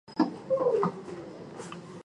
日本女贞是木犀科女贞属的植物。